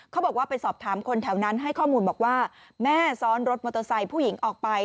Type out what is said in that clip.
เขาบอกว่าไปสอบถามคนแถวนั้นให้ข้อมูลบอกว่าแม่ซ้อนรถมอเตอร์ไซค์ผู้หญิงออกไป